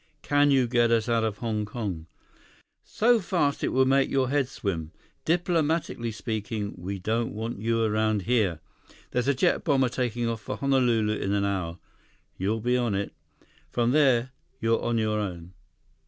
Can you get us out of Hong Kong?" "So fast it will make your head swim. Diplomatically speaking, we don't want you around here. There's a jet bomber taking off for Honolulu in an hour. You'll be on it. From there, you're on your own."